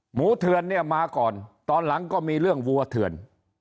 หมูเทานี้มาก่อนตอนหลังก็มีเรื่องวัวเถิน